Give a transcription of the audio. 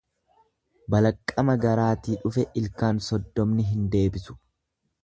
Balaqqama garaatii dhufe ilkaan soddomni hin deebisu.